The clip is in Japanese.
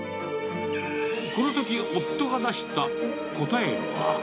このとき、夫が出した答えは。